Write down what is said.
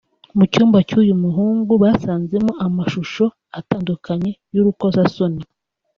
Mu cyumba cy’uyu muhungu basanzemo amashusho atandukanye y’urukozasoni